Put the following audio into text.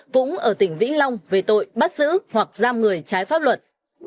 cũng ở tỉnh vĩnh long về tội bắt giữ hoặc giam người trái pháp luật